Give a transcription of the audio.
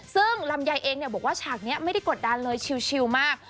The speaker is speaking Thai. ซึ่งลำไยเองบอกว่าฉากนี้ไม่ได้กดดันเลยชิลมาก